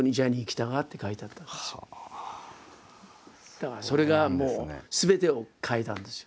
だからそれがもうすべてを変えたんですよ。